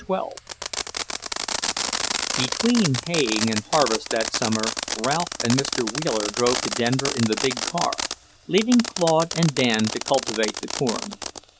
XII Between haying and harvest that summer Ralph and Mr. Wheeler drove to Denver in the big car, leaving Claude and Dan to cultivate the corn.